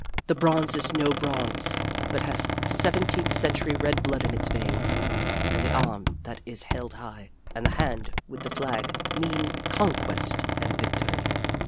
The bronze is no bronze, but has seventeenth century red blood in its veins, and the arm that is held high and the hand with the flag mean conquest and victory.